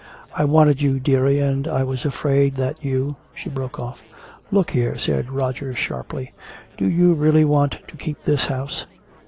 I wanted you, dearie, and I was afraid that you " she broke off. "Look here," said Roger sharply. "Do you really want to keep this house?"